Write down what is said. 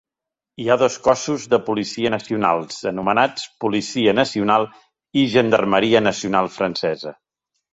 Hi ha dos cossos de policia nacionals anomenats "Policia Nacional" i "Gendarmeria Nacional Francesa".